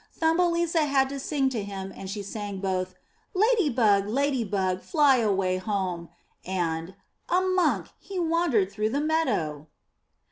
Thumbelisa had to sing to him and she sang both * 'Lady bug, Lady bug, fly away home,*' and *'A monk, he wandered through the meadow.